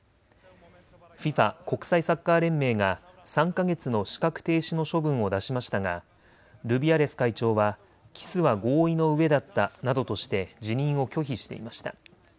ＦＩＦＡ・国際サッカー連盟が３か月の資格停止の処分を出しましたがルビアレス会長はキスは合意のうえだったなどとして辞任を拒否していました。